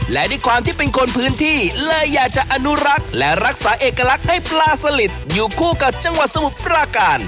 และด้วยความที่เป็นคนพื้นที่เลยอยากจะอนุรักษ์และรักษาเอกลักษณ์ให้ปลาสลิดอยู่คู่กับจังหวัดสมุทรปราการ